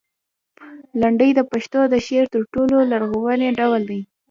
لنډۍ د پښتو د شعر تر ټولو لرغونی ډول دی.